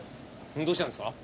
どうしたんですか？